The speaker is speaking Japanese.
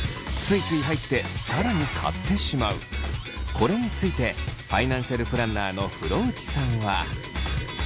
これについてファイナンシャルプランナーの風呂内さんは。